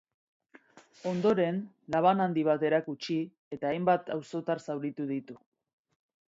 Ondoren, laban handi bat erakutsi eta hainbat auzotar zauritu ditu.